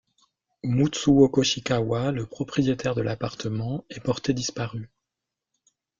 Mutsuo Koshikawa, le propriétaire de l'appartement est porté disparu.